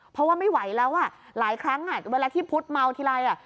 เพราะว่าไม่ไหวแล้วอ่ะหลายครั้งอ่ะเวลาที่พุทธเมาทีไรอ่ะ